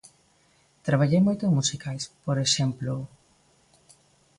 Traballei moito en musicais, por exemplo.